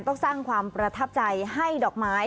ต้องสร้างความประทับใจให้ดอกไม้